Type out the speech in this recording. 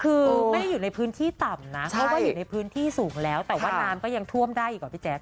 คือไม่ได้อยู่ในพื้นที่ต่ำนะเพราะว่าอยู่ในพื้นที่สูงแล้วแต่ว่าน้ำก็ยังท่วมได้อีกกว่าพี่แจ๊ค